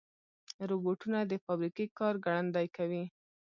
روبوټونه د فابریکې کار ګړندي کوي.